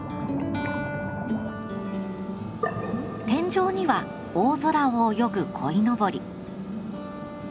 天井には大空を泳ぐこいのぼり。